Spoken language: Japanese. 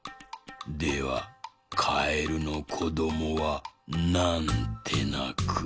ではカエルのこどもはなんてなく？